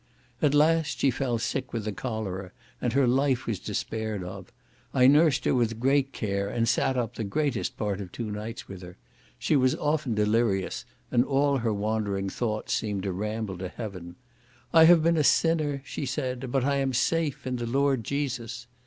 At last she fell sick with the cholera, and her life was despaired of. I nursed her with great care, and sat up the greatest part of two nights with her. She was often delirious, and all her wandering thoughts seemed to ramble to heaven. "I have been a sinner," she said, "but I am safe in the Lord Jesus."